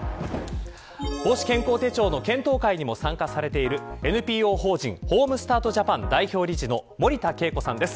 母子健康手帳の検討会にも参加されているＮＰＯ法人ホームスタート・ジャパン代表理事の森田圭子さんです。